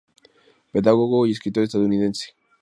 Pedagogo y escritor estadounidense.